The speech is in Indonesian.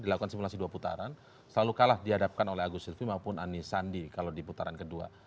dilakukan simulasi dua putaran selalu kalah dihadapkan oleh agus silvi maupun ani sandi kalau di putaran kedua